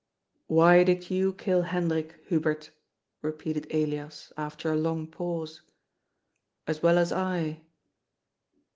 " Why did you kill Hendrik, Hubert ?" repeated Elias after a long pause, '^ as well as I."